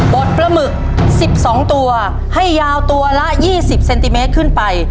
ดปลาหมึก๑๒ตัวให้ยาวตัวละ๒๐เซนติเมตรขึ้นไป